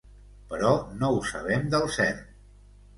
Però no ho sabem del cert.